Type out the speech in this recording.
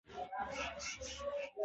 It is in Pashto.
پرېکړې باید مسوولانه وي